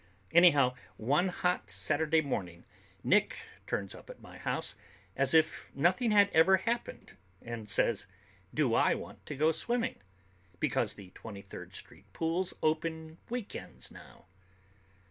Anyhow, one hot Saturday morning Nick turns up at my house as if nothing had ever happened and says do I want to go swimming, because the Twenty third Street pool's open weekends now.